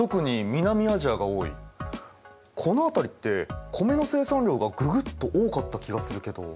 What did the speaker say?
この辺りって米の生産量がググッと多かった気がするけど。